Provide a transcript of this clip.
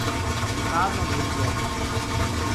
ہسپتال نا لے گیا